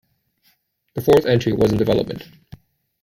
The fourth entry was in development.